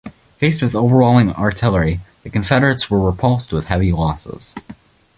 Faced with overwhelming artillery, the Confederates were repulsed with heavy losses.